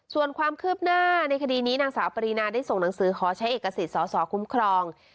ส่วนความคืบหน้าในคดีนี้นางสาวปรีนาได้ส่งหนังสือขอใช้เอกสิทธิ์สอสอคุ้มครอง